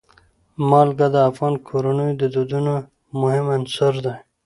نمک د افغان کورنیو د دودونو مهم عنصر دی.